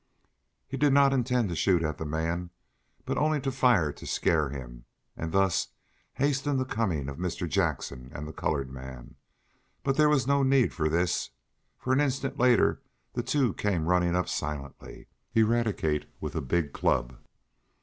He did not intend to shoot at the man, but only to fire to scare him, and thus hasten the coming of Mr. Jackson and the colored man. But there was no need of this, for an instant later the two came running up silently, Eradicate with a big club.